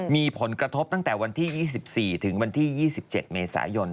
มีผลกระทบตั้งแต่วันที่๒๔ถึงวันที่๒๗เมษายน